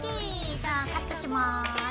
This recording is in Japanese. じゃあカットします。